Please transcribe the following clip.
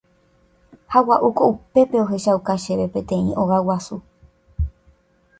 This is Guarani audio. Ha gua'úko upépe ohechauka chéve peteĩ óga guasu.